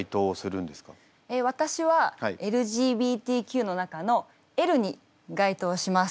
私はＬＧＢＴＱの中のＬに該当します。